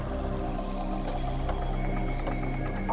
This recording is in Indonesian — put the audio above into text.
dan juga untuk menghasilkan kembang